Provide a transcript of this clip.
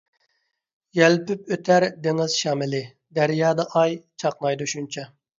يەلپۈپ ئۆتەر دېڭىز شامىلى، دەريادا ئاي چاقنايدۇ شۇنچە.